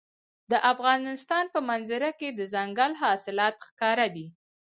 د افغانستان په منظره کې دځنګل حاصلات ښکاره دي.